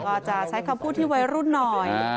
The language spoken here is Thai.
ก็จะใช้คำพูดที่วัยรุ่นหน่อย